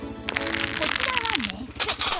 こちらはメス。